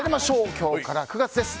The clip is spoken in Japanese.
今日から９月です。